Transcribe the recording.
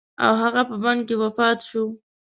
او هغه په بند کې وفات شو.